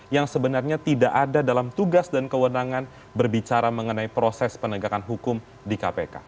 yang sebenarnya tidak ada dalam tugas dan kewenangan berbicara mengenai proses penegakan hukum di kpk